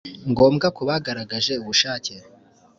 ngombwa ku bagaragaje ubushake